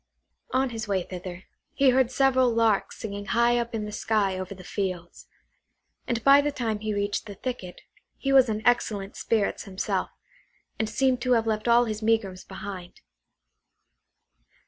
On his way thither, he heard several larks singing high up in the sky over the fields; and by the time he reached the thicket he was in excellent spirits himself, and seemed to have left all his megrims behind.